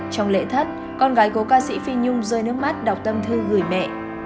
trong lễ thất con gái cố ca sĩ phi nhung rơi nước mắt đọc tâm thư gửi mẹ